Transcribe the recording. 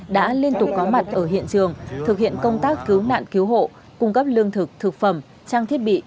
đã liên tục có mặt ở hiện trường thực hiện công tác cứu nạn cứu hộ cung cấp lương thực thực phẩm trang thiết bị